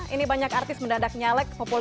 ini banyak artis mendadak nyalek